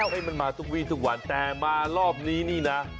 ให้มันมาทุกวีทุกวันแต่มารอบนี้นี่นะ